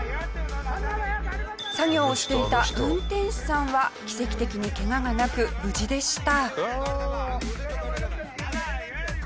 作業をしていた運転手さんは奇跡的にケガがなく無事でした。